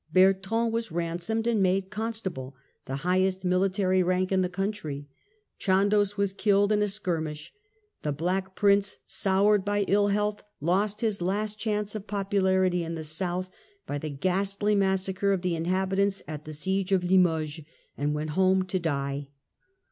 Bertrand was ransomed and made Constable, the highest military rank in the country ; Chandos was killed in a skirmish, the Black Prince, soured by ill health, lost his last chance of popularity in the South by the ghastly massacre of the inhabitants at the siege of Limoges, and went home to die.